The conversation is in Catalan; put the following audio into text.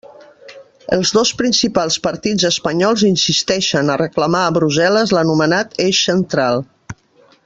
Els dos principals partits espanyols insisteixen a reclamar a Brussel·les l'anomenat eix central.